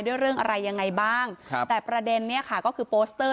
เรื่องอะไรยังไงบ้างครับแต่ประเด็นเนี่ยค่ะก็คือโปสเตอร์